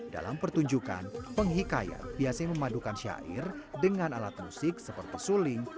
dalam pertunjukan penghikayat biasanya memadukan syair dengan alat musik seperti suling